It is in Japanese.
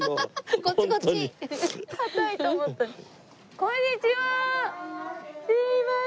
こんにちは。